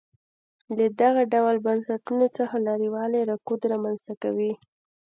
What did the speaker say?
له دغه ډول بنسټونو څخه لرېوالی رکود رامنځته کوي.